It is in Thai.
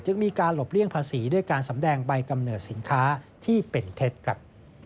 มีการหลบเลี่ยงภาษีด้วยการสำแดงใบกำเนิดสินค้าที่เป็นเท็จครับ